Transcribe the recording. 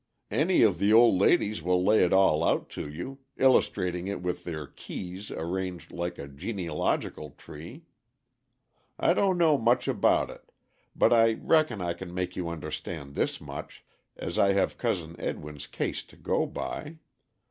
Any of the old ladies will lay it all out to you, illustrating it with their keys arranged like a genealogical tree. I don't know much about it, but I reckon I can make you understand this much, as I have Cousin Edwin's case to go by.